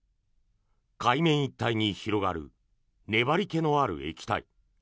海面一帯に広がる粘りけのある液体。